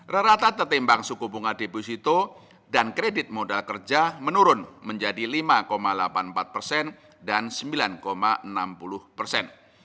rata tertimbang suku bunga deposito dan kredit modal kerja menurun menjadi lima delapan puluh empat persen dan sembilan enam puluh persen